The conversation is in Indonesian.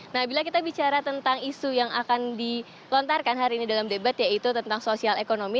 nah bila kita bicara tentang isu yang akan dilontarkan hari ini dalam debat yaitu tentang sosial ekonomi